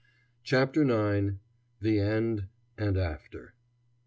CHAPTER IX. THE END, AND AFTER.